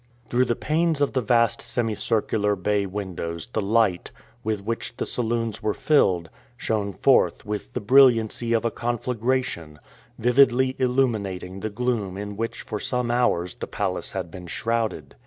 Through the panes of the vast semicircular bay windows the light, with which the saloons were filled, shone forth with the brilliancy of a conflagration, vividly illuminating the gloom in which for some hours the palace had been shrouded.